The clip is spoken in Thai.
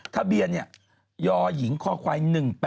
ไหนหวยไหนหวย